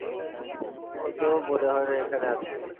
ও তো মনে হয় না এখানে আছে।